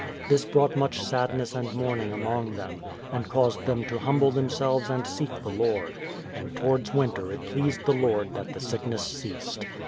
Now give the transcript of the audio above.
This brought much sadness and mourning among them, and caused them to humble them selves and seek the Lord; and towards winter it pleased the Lord that the sickness ceased.